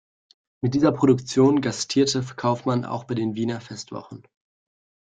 Mit dieser Produktion gastierte Kaufmann auch bei den Wiener Festwochen.